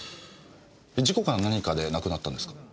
事故か何かで亡くなったんですか？